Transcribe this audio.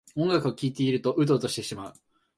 音楽を聴いているとウトウトしてしまう